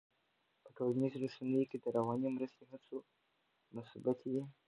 په ټولنیزو رسنیو کې د رواني مرستې هڅې مثبتې دي.